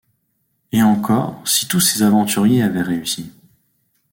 Et encore, si tous ces aventuriers avaient réussi!